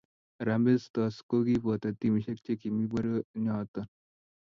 Harambee Stars ko kiboto timishe che kimii borionoto.